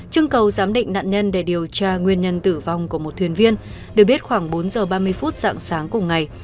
chứng cầu giám định nạn nhân để điều tra nguyên nhân tử vong của một thuyền viên được biết khoảng bốn h ba mươi phút sáng sáng cùng ngày